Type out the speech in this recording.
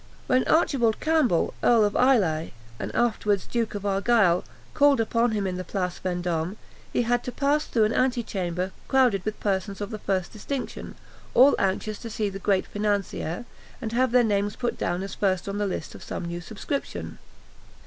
When Archibald Campbell, Earl of Islay, and afterwards Duke of Argyle, called upon him in the Place Vendôme, he had to pass through an ante chamber crowded with persons of the first distinction, all anxious to see the great financier, and have their names put down as first on the list of some new subscription.